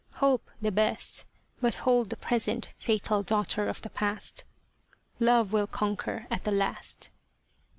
Hope the best, but hold the Present fatal daughter of the Past. Love will conquer at the last."